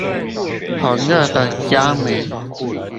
紅熱的焦煤